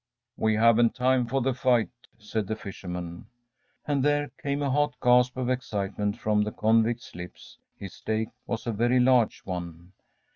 “We haven't time for the fight,‚ÄĚ said the fisherman. And there came a hot gasp of excitement from the convict's lips. His stake was a very large one.